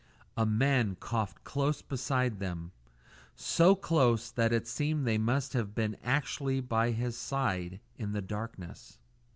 A man had coughed close beside them so close that it seemed they must have been actually by his side in the darkness.